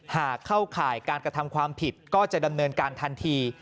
หากเข้าข่ายการกระทำความผิดก็จะดำเนินการทันที